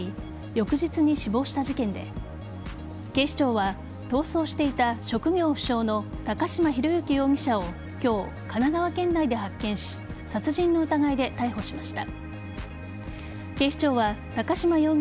翌日に死亡した事件で警視庁は逃走していた職業不詳の高島裕之容疑者を今日、神奈川県内で発見し殺人の疑いで逮捕しました。